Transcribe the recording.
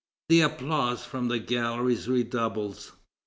The applause from the galleries redoubles.